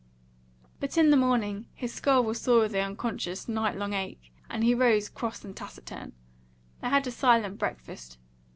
But in the morning his skull was sore with the unconscious, night long ache; and he rose cross and taciturn. They had a silent breakfast.